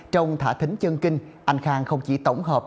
trong thả thính chân kinh anh khang không chỉ tổng hợp